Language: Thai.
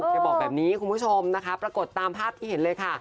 บอกแบบนี้คุณผู้ชมนะคะปรากฏตามภาพที่เห็นเลยค่ะ